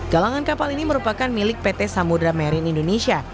galangan kapal ini merupakan milik pt samudera marine indonesia